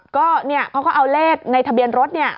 ก็เนี่ยเขาก็เอาเลขในทะเบียนรถเนี่ย